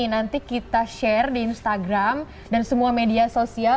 nanti kita share di instagram dan semua media sosial